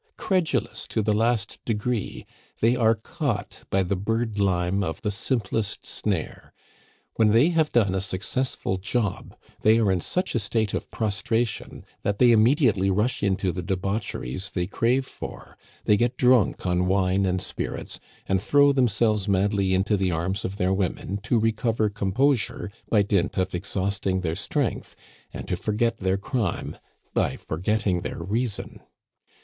Credulous to the last degree, they are caught by the bird lime of the simplest snare. When they have done a successful job, they are in such a state of prostration that they immediately rush into the debaucheries they crave for; they get drunk on wine and spirits, and throw themselves madly into the arms of their women to recover composure by dint of exhausting their strength, and to forget their crime by forgetting their reason.